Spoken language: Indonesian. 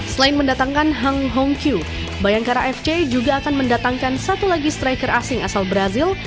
selain mendatangkan hang hong kyu bayangkara fc juga akan mendatangkan satu lagi striker asing asal brazil